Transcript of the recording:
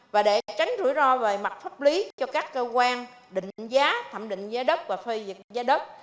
và để tránh rủi ro về mặt pháp lý cho các cơ quan định giá thẩm định giá đất và phê dịch giá đất